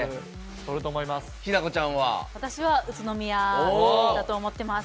私は宇都宮だと思ってます。